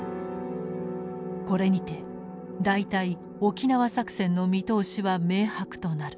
これにて大体沖縄作戦の見通しは明白となる。